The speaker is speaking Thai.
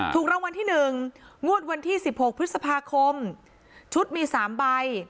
ถูกรางวัลที่หนึ่งงวดวันที่สิบหกพฤษภาคมชุดมีสามใบ